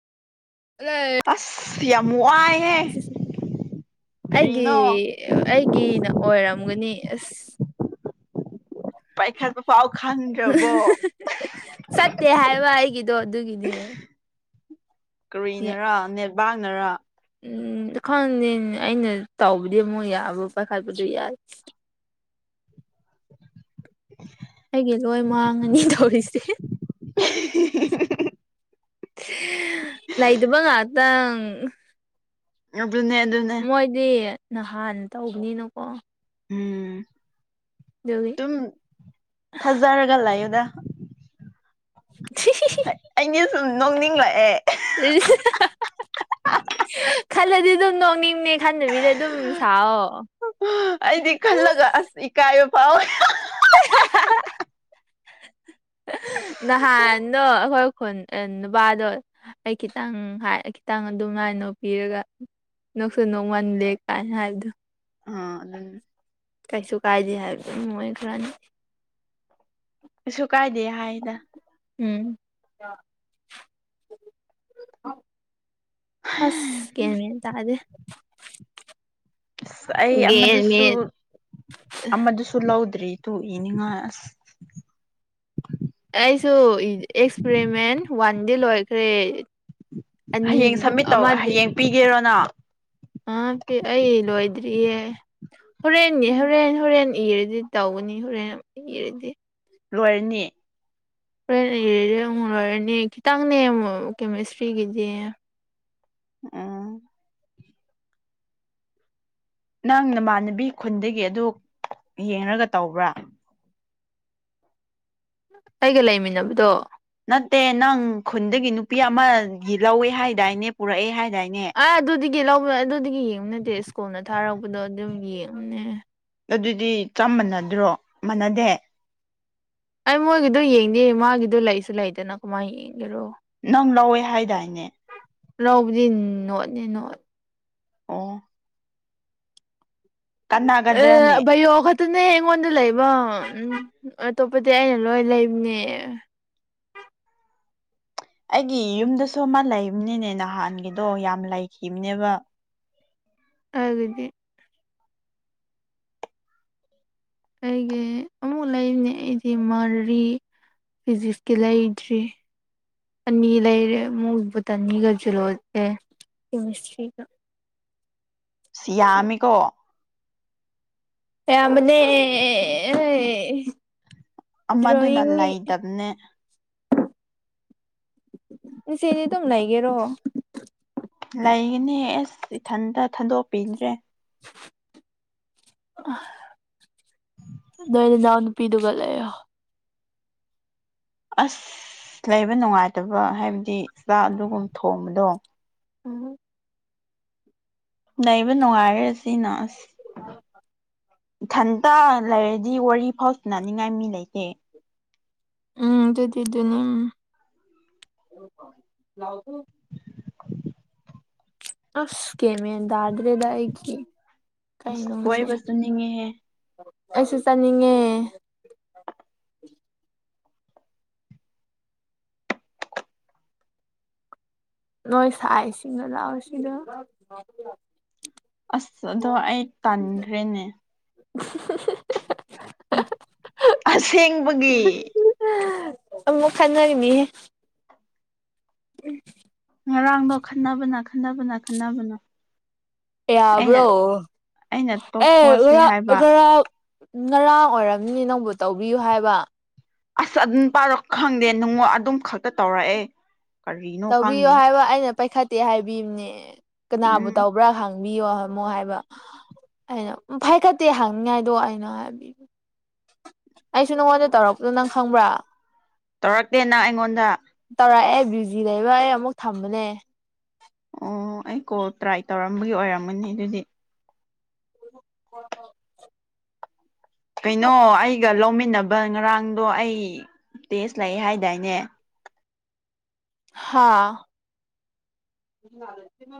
ꯑꯂꯦ ꯑꯁ ꯌꯥꯝ ꯋꯥꯏ ꯑꯩꯒꯤ ꯀꯔꯤꯅꯣ ꯑꯩꯒꯤꯅ ꯑꯣꯏꯔꯝꯒꯅꯤ ꯑꯁ ꯄꯥꯏꯈꯠꯄ ꯄꯥꯎ ꯈꯪꯗ꯭ꯔꯕꯣ ꯆꯠꯇꯦ ꯍꯥꯏꯕ ꯑꯩꯒꯤꯗꯣ ꯑꯗꯨꯒꯤꯅꯦ ꯌꯥ- ꯀꯔꯤꯅꯔ ꯅꯦꯠꯕꯥꯡꯅꯔ ꯎꯝ ꯈꯪꯗꯦꯅꯦ ꯑꯩꯅ ꯇꯧꯕꯗꯤ ꯑꯥ ꯔꯣꯝ ꯄꯥꯏꯈꯠꯄꯖꯨ ꯌꯥꯏ [unintelligible] ꯑꯩꯒꯤ ꯂꯣꯏ ꯃꯥꯡꯉꯅꯤ ꯇꯧꯔꯤꯁꯦ ꯂꯩꯇꯕ ꯉꯥꯛꯇꯪ ꯑꯗꯨꯅꯦ ꯑꯗꯨ ꯃꯣꯏꯗꯤ ꯅꯍꯥꯟ ꯇꯧꯕꯅꯤꯅꯀꯣ ꯎꯝ ꯗꯨꯒꯤ ꯗꯨꯝ ꯊꯥꯖꯔꯒ ꯂꯩꯥꯌꯣꯗ [unintelligible] ꯑꯩꯅ ꯗꯨꯝ ꯅꯣꯛꯅꯤꯡꯂꯛꯑꯦ ꯈꯜꯂꯗꯤ ꯑꯗꯨꯝ ꯅꯣꯛꯅꯤꯡꯅꯤ ꯈꯟꯗꯕꯤꯗ ꯗꯨꯝ ꯁꯥꯑꯣ ꯑꯩꯗꯤ ꯈꯜꯂꯒ ꯑꯁ ꯏꯀꯥꯏꯕ ꯄꯥꯎꯑꯦ ꯅꯍꯥꯟꯗꯣ ꯑꯈꯣꯏ ꯈꯨꯟ ꯅꯨꯕꯥꯗꯣ ꯑꯩ ꯈꯤꯇꯪ ꯈꯤꯇꯪ ꯑꯗꯨꯃꯥꯏ ꯅꯣꯛꯄꯤꯔꯒ ꯅꯣꯛꯁꯨ ꯅꯣꯡꯃꯜꯂꯦ ꯀꯥꯏꯅ ꯍꯥꯏꯕꯗꯣ ꯑ ꯑꯗꯨ ꯀꯩꯁꯨ ꯀꯥꯏꯗꯦ ꯍꯥꯏꯕ ꯃꯣꯏꯕꯅꯤ ꯀꯩꯁꯨ ꯀꯥꯏꯗꯦ ꯍꯥꯏꯗ ꯎꯝ ꯑꯁ ꯒꯤꯌꯥꯟ ꯃꯦꯟ ꯇꯥꯗꯦ ꯑꯁ ꯑꯩ ꯒ꯭ꯌꯥꯟ ꯑꯃꯗꯨꯁꯨ ꯃꯦꯟ ꯑꯃꯗꯨꯁꯨ ꯂꯧꯗ꯭ꯔꯤ ꯇꯨ ꯏꯅꯤꯡꯉꯥꯏ ꯑꯁ ꯑꯩꯁꯨ ꯑꯦꯛꯁꯄꯔꯤꯃꯦꯟ ꯋꯥꯟ ꯗꯤ ꯂꯣꯏꯈ꯭ꯔꯦ ꯍꯌꯦꯡ ꯑꯅꯤꯗꯤ ꯁꯞꯃꯤꯠ ꯇꯧ ꯑꯃꯗꯤ ꯍꯌꯦꯡ ꯄꯤꯒꯦꯔꯣꯅ ꯑ ꯄꯤ ꯑꯩ ꯂꯣꯏꯗ꯭ꯔꯤꯌꯦ ꯍꯨꯔꯦꯟꯒꯤ ꯍꯨꯔꯦꯟ ꯍꯨꯔꯦꯟ ꯏꯔꯗꯤ ꯇꯧꯒꯅꯤ ꯍꯨꯔꯦꯟ ꯏꯔꯗꯤ ꯂꯣꯏꯔꯅꯤ ꯍꯨꯔꯦꯟ ꯏꯔꯗꯤ ꯑꯃꯨꯛ ꯂꯣꯏꯔꯅꯤ ꯈꯤꯇꯪꯅꯦ ꯃꯨ ꯀꯦꯃꯤꯁꯇ꯭ꯔꯤꯒꯤꯗꯤ ꯎꯝ ꯅꯪ ꯅꯃꯥꯟꯅꯕꯤ ꯈꯨꯟꯗꯒꯤ ꯑꯗꯨ ꯌꯦꯡꯔꯒ ꯇꯧꯕ꯭ꯔꯥ ꯑꯩꯒ ꯂꯩꯃꯤꯟꯅꯕꯗꯣ ꯅꯠꯇꯦ ꯅꯪ ꯈꯨꯟꯗꯒꯤ ꯅꯨꯄꯤ ꯑꯃꯒꯤ ꯂꯧꯋꯦ ꯍꯥꯏꯗꯥꯏꯅꯦ ꯄꯨꯔꯛꯑꯦ ꯍꯥꯏꯗꯥꯏꯅꯦ ꯑꯥ ꯑꯗꯨꯗꯒꯤ ꯂꯧꯔ ꯑꯗꯨꯗꯒꯤ ꯌꯦꯡꯕ ꯅꯠꯇꯦ ꯁ꯭ꯀꯨꯜꯅ ꯊꯥꯔꯛꯄꯗꯣ ꯑꯗꯨꯝ ꯌꯦꯡꯉꯨꯅꯦ ꯑꯗꯨꯗꯤ ꯆꯞ ꯃꯥꯟꯅꯗ꯭ꯔꯣ ꯃꯥꯟꯅꯗꯦ ꯑꯩ ꯃꯣꯏꯒꯤꯗꯣ ꯌꯦꯡꯗꯦ ꯃꯥꯒꯤꯗꯣ ꯂꯩꯁꯨ ꯂꯩꯗꯅ ꯀꯃꯥꯏꯅ ꯌꯦꯡꯒꯦꯔꯣ ꯅꯪ ꯂꯧꯋꯦ ꯍꯥꯏꯗꯥꯏꯅꯦ ꯂꯥꯎꯕꯨꯗꯤ ꯅꯣꯠꯅꯤ ꯅꯣꯠ ꯑꯣ ꯀꯥꯟꯅꯒꯗ꯭ꯔꯅꯦ ꯑꯦ ꯕꯩꯌꯣꯒꯠ ꯇꯨꯅꯦ ꯑꯩꯉꯣꯟꯗ ꯂꯩꯕ ꯎꯝ ꯑꯇꯣꯞꯄꯗꯤ ꯑꯩꯅ ꯂꯣꯏ ꯂꯩꯕꯅꯦ ꯑꯩꯒꯤ ꯌꯨꯝꯗꯁꯨ ꯑꯃ ꯂꯩꯕꯅꯤꯅꯦ ꯅꯍꯥꯟꯒꯤꯗꯣ ꯌꯥꯝ ꯂꯩꯈꯤꯝꯅꯦꯕ [unintelligible] ꯑꯩꯒꯤ ꯑꯃꯨꯛ ꯂꯩꯔꯤꯅꯦ ꯑꯩꯗꯤ ꯃꯔꯤ ꯐꯤꯖꯤꯛꯁꯀꯤ ꯂꯩꯗ꯭ꯔꯤ ꯑꯅꯤ ꯂꯩꯔꯦ ꯃꯨꯕꯗꯅꯤꯒ ꯖꯨꯂꯣ ꯑꯦ ꯀꯦꯃꯤꯁꯇ꯭ꯔꯤꯒ ꯁꯤ ꯌꯥꯝꯃꯤꯀꯣ ꯌꯥꯝ ꯃꯅꯦ ꯍꯩ ꯑꯃꯗꯨꯅ ꯂꯩꯇꯝꯅꯦ ꯏꯆꯦꯅꯦ ꯑꯗꯨꯝ ꯂꯩꯒꯦꯔꯣ ꯂꯩꯒꯅꯦ ꯑꯦꯁ ꯏꯊꯟꯇ ꯊꯟꯗꯣꯛꯄꯤꯟꯗ꯭ꯔꯦ ꯑꯥ ꯅꯣꯏ ꯅꯅꯥꯎ ꯅꯨꯄꯤꯗꯨꯒ ꯂꯩꯑꯣ ꯑꯁ ꯂꯩꯕ ꯅꯨꯡꯉꯥꯏꯇꯕ ꯍꯥꯏꯕꯗꯤ ꯆꯥꯛ ꯑꯗꯨꯒꯨꯝ ꯊꯣꯡꯕꯗꯣ ꯎꯝ ꯂꯩꯕ ꯅꯨꯡꯉꯥꯏꯔ ꯁꯤꯅ ꯑꯁ [inaudible] ꯏꯊꯟꯇ ꯂꯩꯔꯗꯤ ꯋꯥꯔꯤ ꯐꯥꯎ ꯁꯅꯅꯤꯡꯉꯥꯏ ꯃꯤ ꯂꯩꯇꯦ ꯎꯝ ꯑꯗꯨꯗꯤꯗꯨꯅꯦ ꯎꯝ ꯑꯁ ꯒꯦꯃꯦꯟ ꯇꯥꯗ꯭ꯔꯦꯗ ꯑꯩꯒꯤ ꯑꯁ ꯀꯩꯅꯣꯁꯦ ꯀꯣꯏꯕ ꯆꯠꯅꯤꯡꯉꯦꯍꯦ ꯑꯩꯁꯨ ꯆꯥꯅꯤꯡꯉꯦ ꯅꯣꯏ ꯁꯥꯥꯏꯁꯤꯡꯒ ꯂꯥꯛꯑꯣꯁꯤꯗ ꯑꯁ ꯑꯗꯣ ꯑꯩ ꯇꯥꯟꯈ꯭ꯔꯦꯅꯦ [unintelligible] ꯑꯁꯦꯡꯕꯒꯤ ꯑꯃꯨꯛ ꯈꯠꯅꯔꯤꯃꯤꯍꯦ ꯎꯝ ꯉꯔꯥꯡꯗꯣ ꯈꯟꯅꯕꯅ ꯈꯟꯅꯕꯅ ꯈꯟꯅꯕꯅ ꯌꯥꯕ꯭ꯔꯣ ꯑꯩꯅ ꯑꯦ ꯇꯣꯛꯊꯣꯛꯑꯁꯦ ꯉꯔꯥ ꯍꯥꯏꯕ ꯉꯔꯥꯡ ꯉꯔꯥꯡ ꯑꯣꯏꯔꯝꯅꯤ ꯅꯪꯕꯨ ꯇꯧꯕꯤꯌꯨ ꯍꯥꯏꯕ ꯑꯁ ꯑꯗꯨꯝ ꯄꯥꯔꯣ ꯈꯪꯗꯦ ꯅꯨꯡꯉ ꯑꯗꯨꯝ ꯈꯛꯇ ꯇꯧꯔꯛꯑꯦ ꯀꯔꯤꯅꯣ ꯇꯧꯕꯤꯌꯣ ꯈꯪꯗꯦ ꯍꯥꯏꯕ ꯑꯩꯅ ꯄꯥꯏꯈꯠꯇꯦ ꯍꯥꯏꯕꯤꯕꯅꯦ ꯀꯅꯥꯕꯨ ꯎꯝ ꯇꯧꯕ꯭ꯔꯥ ꯍꯪ ꯕꯤꯌꯣ ꯑꯃꯨꯛ ꯍꯥꯏꯕ ꯑꯩꯅ ꯐꯥꯏꯈꯠꯇꯦ ꯍꯥꯡꯅꯤꯡꯉꯥꯏꯗꯣ ꯑꯩꯅ ꯍꯥꯏꯕꯤꯕ ꯑꯩꯁꯨ ꯅꯪꯉꯣꯟꯗ ꯇꯧꯔꯛꯄꯗꯣ ꯅꯪ ꯈꯪꯕ꯭ꯔꯥ ꯇꯧꯔꯛꯇꯦ ꯅꯪ ꯑꯩꯉꯣꯟꯗ ꯇꯧꯔꯛꯑꯦ ꯕꯤꯖꯤ ꯂꯩꯕ ꯑꯩ ꯑꯃꯨꯛ ꯊꯝꯕꯅꯦ ꯑꯣ ꯑꯩ ꯀꯣꯜ ꯇ꯭ꯔꯥꯏ ꯇꯧꯔꯝꯕꯒꯤ ꯑꯣꯏꯔꯝꯒꯅꯤ ꯑꯗꯨꯗꯤ [unintelligible] ꯀꯩꯅꯣ ꯑꯩꯒ ꯂꯧꯃꯤꯟꯅꯕ ꯉꯔꯥꯡꯗꯣ ꯑꯩ ꯇꯦꯖ ꯂꯩ ꯍꯥꯏꯗꯥꯏꯅꯦ ꯍꯥꯥ [unintelligible]